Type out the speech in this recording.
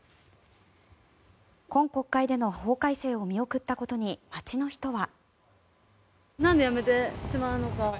今国会での法改正を見送ったことに、街の人は。